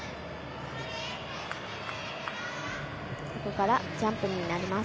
ここからジャンプになります。